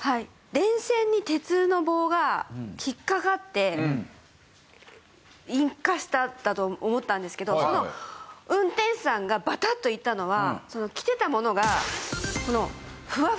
電線に鉄の棒が引っかかって引火しただと思ったんですけどその運転手さんがバタッといったのは着てたものが。